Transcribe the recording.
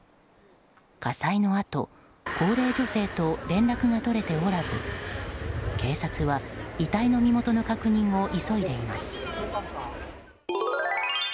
火災のあと高齢女性と連絡が取れておらず警察は遺体の身元の確認を急いでいます。